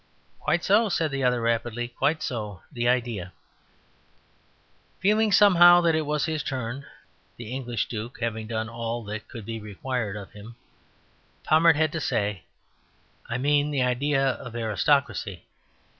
"Quite so," said the other rapidly; "quite so... the idea." Feeling somehow that it was his turn (the English Duke having done all that could be required of him) Pommard had to say: "I mean the idea of aristocracy.